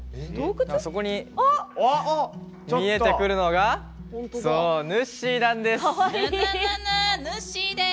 そこに見えてくるのがそう、ぬっしーなんです！